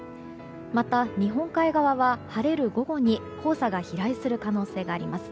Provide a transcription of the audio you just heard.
また日本海側は晴れる午後に黄砂が飛来する可能性があります。